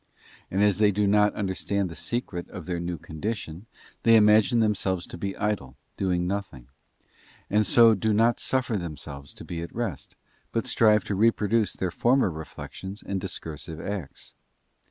And as they do not understand the secret of their new condition, they imagine themselves to be idle, doing nothing; and so do not 'suffer themselves to be at rest, but strive to reproduce their former reflections and discursive acts.